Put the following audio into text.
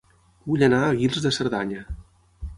Vull anar a Guils de Cerdanya